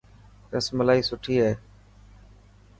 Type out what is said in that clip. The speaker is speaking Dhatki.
رسملا سٺي هي.